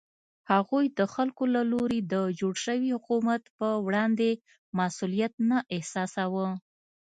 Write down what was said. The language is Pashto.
هغوی د خلکو له لوري د جوړ شوي حکومت په وړاندې مسوولیت نه احساساوه.